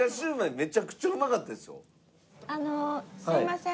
あのすいません。